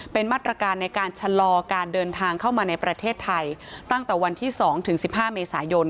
เป็นมาตรการในการชะลอการเดินทางเข้ามาในประเทศไทยตั้งแต่วันที่๒ถึง๑๕เมษายน